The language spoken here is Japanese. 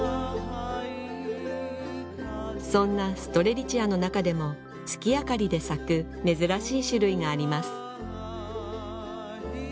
そんなストレリチアの中でも月明かりで咲く珍しい種類があります